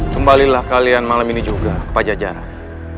kembalilah kalian malam ini juga ke pajajaran